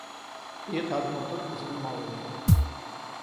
И это одно только занимало его.